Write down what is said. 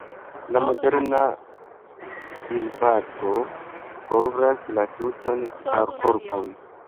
La moderna ĝilbabo kovras la tutan korpon.